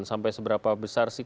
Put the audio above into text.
sampai seberapa besar sih